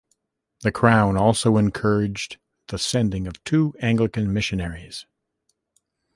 The Crown also encouraged the sending of two Anglican missionaries.